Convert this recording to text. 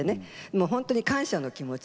もうほんとに感謝の気持ちで。